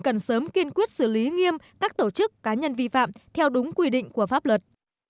cần sớm kiên quyết xử lý nghiêm các tổ chức cá nhân vi phạm theo đúng quy định của pháp luật